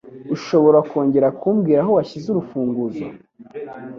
Ushobora kongera kumbwira aho washyize urufunguzo?